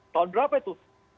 tahun berapa itu